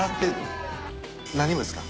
何部ですか？